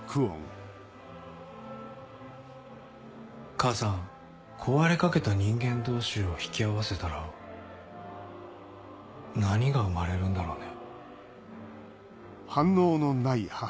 母さん壊れかけた人間同士を引き合わせたら何が生まれるんだろうね。